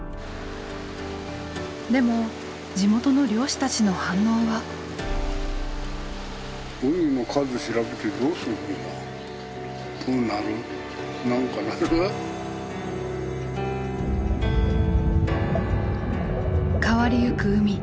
でも地元の漁師たちの反応は。変わりゆく海。